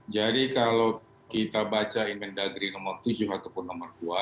jadi kalau kita baca invent daggeri nomor tujuh ataupun nomor dua